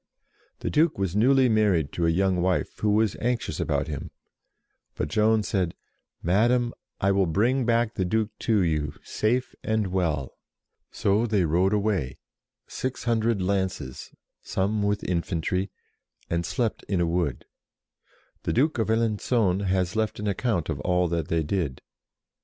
The Duke was newly married to a young wife, who was anxious about him, but Joan said, "Madam, I will bring back the Duke to you, safe and well !" So they rode away, six hundred lances, with some infantry, and slept in a wood. The Duke of Alencon has left an account of all that they did.